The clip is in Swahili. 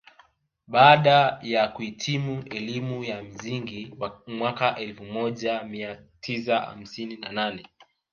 Baada ya kuhitimu elimu ya msingi mwaka elfu moja mia tisa hamsini na nane